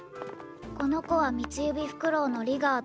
この子はミツユビフクロウのリガード。